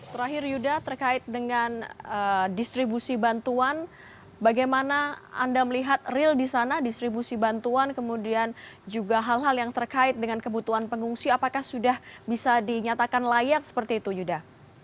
terakhir yuda terkait dengan distribusi bantuan bagaimana anda melihat real di sana distribusi bantuan kemudian juga hal hal yang terkait dengan kebutuhan pengungsi apakah sudah bisa dinyatakan layak seperti itu yuda